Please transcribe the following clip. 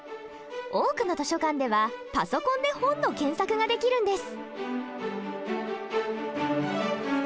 多くの図書館ではパソコンで本の検索ができるんです。